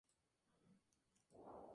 Otto se va de los Vengadores.